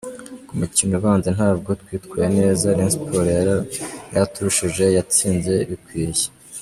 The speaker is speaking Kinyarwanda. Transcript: Ku mukino ubanza ntabwo twitwaye neza, Rayon Sports yaraturushije yatsinze ibikwiye.